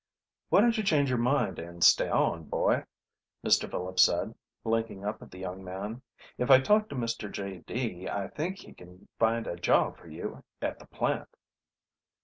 "Why don't you change your mind and stay on, boy?" Mr. Phillips said, blinking up at the young man. "If I talk to Mr. J.D., I think he can find a job for you at the plant."